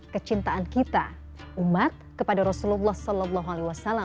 kecintaan kita umat kepada rasulullah saw